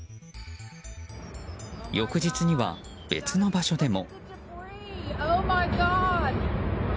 翌日には、別の場所でも。